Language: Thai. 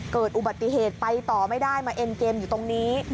เกิดอุบัติเหตุไปต่อไม่ได้มาเอ็นเกมอยู่ตรงนี้